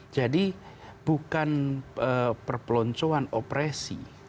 jadi bukan perpeloncoan opresi